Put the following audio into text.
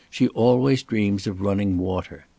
She always dreams of running water.